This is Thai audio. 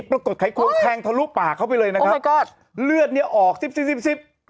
ไขควงแทงทะลุปากเข้าไปเลยนะครับแล้วก็เลือดเนี่ยออกซิบซิบซิบซิบ